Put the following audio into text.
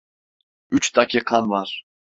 Üç dakikan var.